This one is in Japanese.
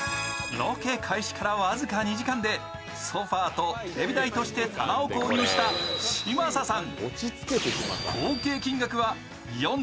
ロケ開始から僅か２時間で、ソファーとテレビ台として棚を購入した嶋佐さん。